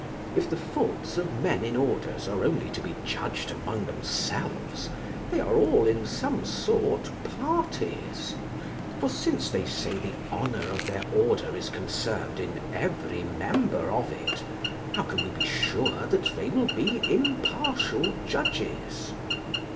If the faults of men in orders are only to be judg'd among themselves, they are all in some sort parties: for, since they say the honor of their order is concern'd in every member of it, how can we be sure that they will be impartial judges?